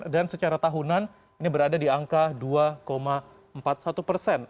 dan secara tahunan ini berada di angka dua empat puluh satu persen